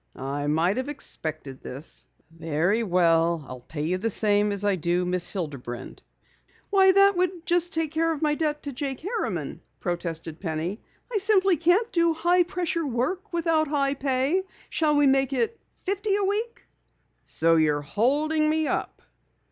"I might have expected this. Very well, I'll pay you the same as I do Miss Hilderman. Twenty five a week." "Why, that would just take care of my debt to Jake Harriman," protested Penny. "I simply can't do high pressure work without high pay. Shall we make it fifty a week?" "So you're holding me up?"